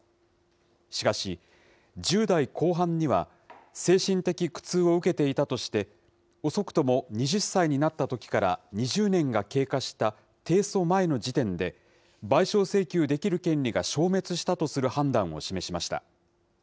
しかし、１０代後半には精神的苦痛を受けていたとして、遅くとも２０歳になったときから２０年が経過した提訴前の時点で、賠償請求できる権利が消滅したとする判断を示しました。